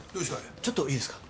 ちょっといいですか？